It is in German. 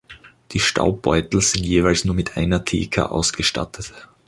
Die Staubbeutel sind jeweils nur mit einer Theca ausgestattet.